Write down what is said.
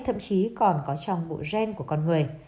thậm chí còn có trong bộ gen của con người